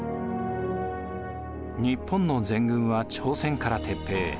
日本の全軍は朝鮮から撤兵。